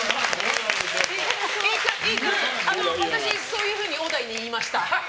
私、そういうふうに小田井に言いました。